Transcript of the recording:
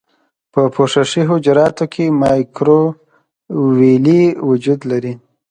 په پوښښي حجراتو کې مایکروویلې وجود لري.